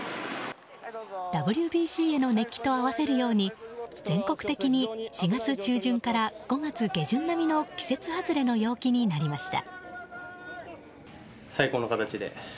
ＷＢＣへの熱気と合わせるように全国的に４月中旬から５月下旬並みの季節外れの陽気になりました。